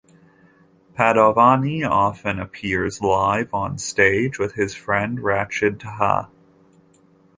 Padovani often appears live on stage with his friend Rachid Taha.